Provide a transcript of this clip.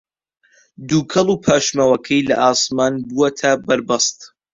دووکەڵ و پاشماوەکەی لە ئاسمان بووەتە بەربەست